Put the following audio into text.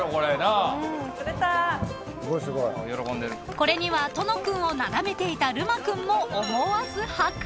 ［これにはとの君をなだめていたるま君も思わず］